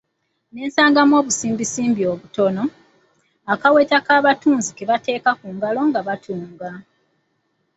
Ne nsangamu obusimbisimbi butono, akaweta k'abatunzi ke bateeka ku ngalo nga batunga.